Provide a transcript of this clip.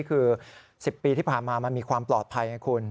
คือ๑๐ปีที่ผ่านมามันมีความปลอดภัยไงคุณ